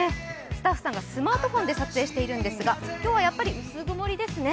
スタッフさんがスマートフォンで撮影しているんですが今日は薄曇りですね。